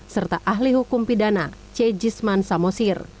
serta ahli hukum pidana c jisman samosir